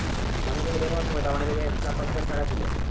বাসা থেকে বের হওয়ার সময় তাঁর পকেটে মানিব্যাগে চার-পাঁচ হাজার টাকা ছিল।